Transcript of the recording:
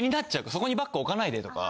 そこにバッグ置かないでとか。